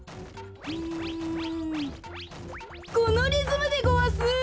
うんこのリズムでごわす！